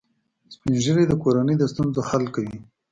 سپین ږیری د کورنۍ د ستونزو حل کوي